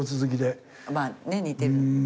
まあね似てる。